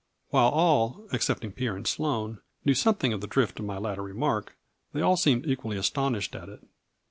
While all, excepting Pierre and Sloane, knew something of the drift of my latter remark, they all seemed equally astonished at it.